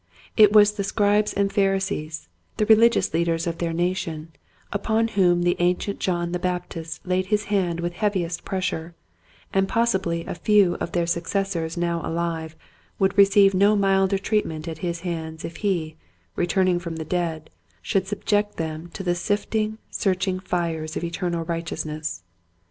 It was the Scribes and Pharisees — the rehgious leaders of their nation — upon whom the ancient John the the Baptist laid his hand with heaviest pressure, and possibly a few of their suc cessors now alive would receive no milder treatment at his hands if he, returning from the dead, should subject them to the sifting, searching fires of eternal right eousness.